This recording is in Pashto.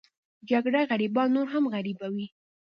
جګړه غریبان نور هم غریبوي